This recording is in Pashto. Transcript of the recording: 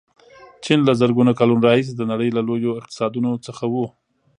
چین له زرګونو کلونو راهیسې د نړۍ له لویو اقتصادونو څخه و.